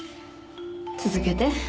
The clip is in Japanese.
続けて。